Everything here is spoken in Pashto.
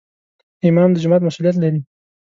امام د جومات مسؤولیت لري